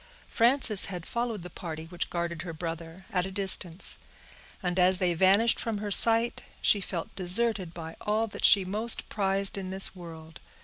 Frances had followed the party which guarded her brother, at a distance; and as they vanished from her sight, she felt deserted by all that she most prized in this world.